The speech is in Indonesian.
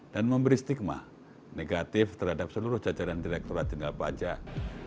dan memberi stigma negatif terhadap seluruh jajaran direktorat jenderal pajak